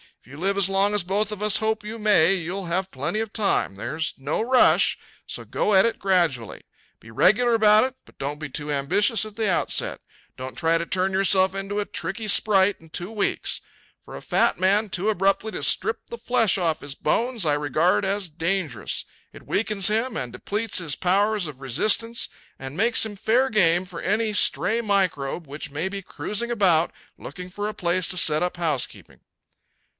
If you live as long as both of us hope you may you'll have plenty of time. There's no rush, so go at it gradually. Be regular about it, but don't be too ambitious at the outset. Don't try to turn yourself into a tricky sprite in two weeks. For a fat man too abruptly to strip the flesh off his bones I regard as dangerous. It weakens him and depletes his powers of resistance and makes him fair game for any stray microbe which may be cruising about looking for a place to set up housekeeping."